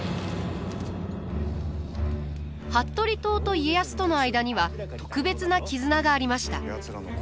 服部党と家康との間には特別な絆がありました。